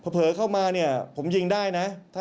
เผลอเข้ามาผมยิงได้นะ